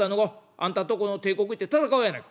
あんたんとこの帝国行って戦おうやないか」。